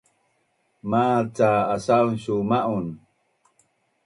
Mazca asaun su ma’un?